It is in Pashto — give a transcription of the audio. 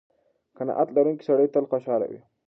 قناعت لرونکی سړی تل خوشحاله وي.